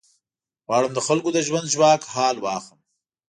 غواړم د خلکو د ژوند ژواک حال واخلم.